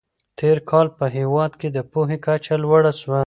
تېر کال په هېواد کې د پوهې کچه لوړه سوه.